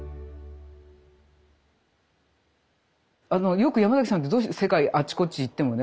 よくヤマザキさんってどうして世界あっちこっち行ってもね